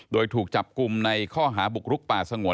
โดยถูกจับกลุ่มในข้อหาบุกรุกป่าสงวน